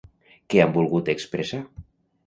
Què han volgut expressar?